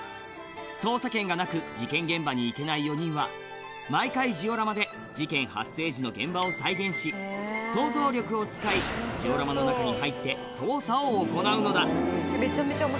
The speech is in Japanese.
捜査権がなく事件現場に行けない４人は毎回ジオラマで事件発生時の現場を再現し想像力を使いを行うのだおぉ。